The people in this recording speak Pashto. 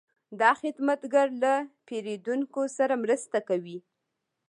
دا خدمتګر له پیرودونکو سره مرسته کوي.